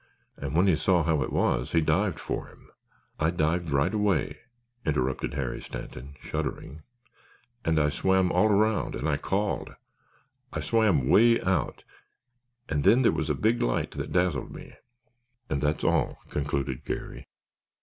And when he saw how it was he dived for him——" "I dived right away," interrupted Harry Stanton, shuddering, "and I swam all around and I called—I swam way out and then there was a big light that dazzled me——" "And that's all," concluded Garry.